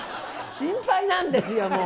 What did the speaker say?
心配なんですよ、もう。